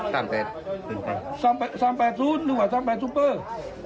สามแปดสามแปดสามแปดซูนดูก่อนสามแปดซูปเปอร์